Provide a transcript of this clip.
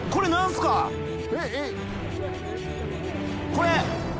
これ。